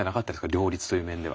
両立という面では。